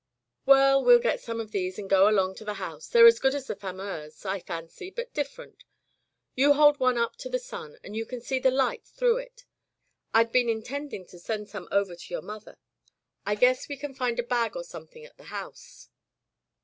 Well, we'll get some of these and go along to the house. They're as good as the Fameuse, I fancy — ^but different. You hold one up to the sun and you can see the light through it. I'd been intending to send some over to your mother. I guess we can find a bag or some thing at the house."